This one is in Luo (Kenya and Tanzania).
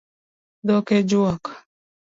Dhok e juok